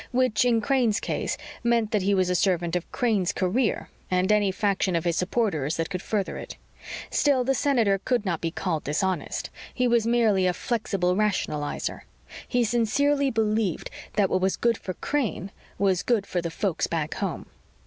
Which, in Crane's case, meant that he was a servant of Crane's career and any faction of his supporters that could further it. Still, the Senator could not be called dishonest. He was merely a flexible rationalizer. He sincerely believed that what was good for Crane was good for the "folks back home."